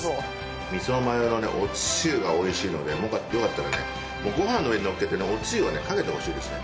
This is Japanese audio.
味噌マヨのおつゆが美味しいのでよかったらねご飯の上にのっけておつゆをかけてほしいですね。